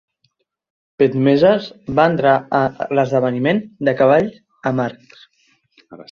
Petmezas va entrar a l'esdeveniment de cavall amb arcs.